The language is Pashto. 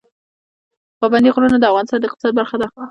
پابندی غرونه د افغانستان د اقتصاد برخه ده.